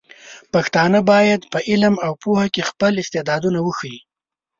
پښتانه بايد په علم او پوهه کې خپل استعدادونه وښيي.